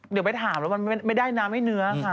เดี๋ยวไปถามมันไม่ได้น้ำให้เนื้อ